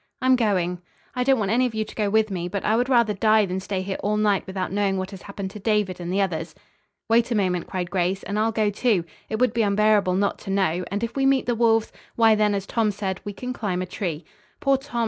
"I'm going. I don't want any of you to go with me, but I would rather die than stay here all night without knowing what has happened to David and the others." "Wait a moment," cried Grace, "and I'll go, too. It would be unbearable not to know and if we meet the wolves, why, then, as Tom said, we can climb a tree. Poor Tom!"